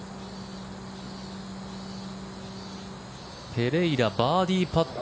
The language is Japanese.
ペレイラ、バーディーパット。